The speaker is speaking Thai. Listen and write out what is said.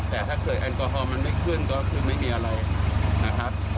แต่ถ้าเกิดแอลกอฮอลมันไม่ขึ้นก็คือไม่มีอะไรนะครับ